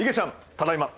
ただいま！